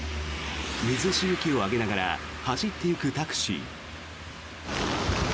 水しぶきを上げながら走っていくタクシー。